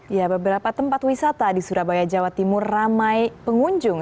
ya beberapa tempat wisata di surabaya jawa timur ramai pengunjung